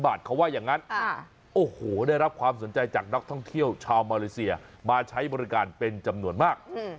เขาว่าอย่างนั้นโอ้โหได้รับความสนใจจากนักท่องเที่ยวชาวมาเลเซียมาใช้บริการเป็นจำนวนมาก